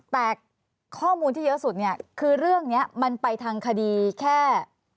แต่ข้อมูลที่เยอะสุดเนี่ยคือเรื่องนี้มันไปทางคดีแค่